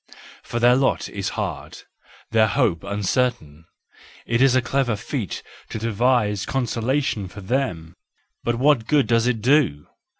For their lot is hard, their hope un¬ certain ; it is a clever feat to devise consolation for them. But what good does it do!